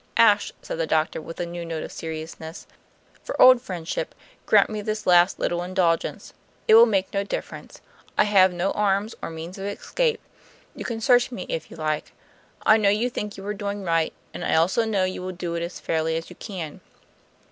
"Ashe," said the doctor, with a new note of seriousness, "for old friendship, grant me this last little indulgence. It will make no difference; I have no arms or means of escape; you can search me if you like. I know you think you are doing right, and I also know you will do it as fairly as you can.